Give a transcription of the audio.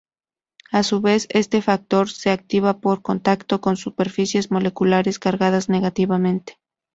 A su vez, este factor se activa por contacto con superficies moleculares cargadas negativamente.